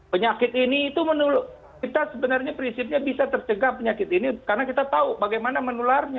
penyakit ini itu kita sebenarnya prinsipnya bisa tercegah penyakit ini karena kita tahu bagaimana menularnya